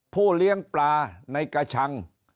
เลี้ยงปลาในกระชัง